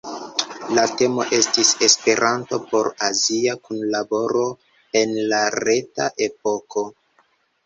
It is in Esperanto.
La temo estis "Esperanto por azia kunlaboro en la reta epoko!